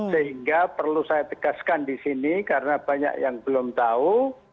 sehingga perlu saya tegaskan di sini karena banyak yang belum tahu